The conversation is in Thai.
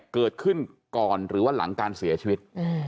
เกิดขึ้นก่อนหรือว่าหลังการเสียชีวิต